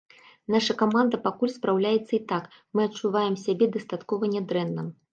Наша каманда пакуль спраўляецца і так, мы адчуваем сябе дастаткова нядрэнна.